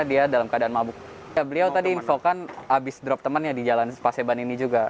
dia dalam keadaan mabuk ya beliau tadi infokan habis drop temannya di jalan paseban ini juga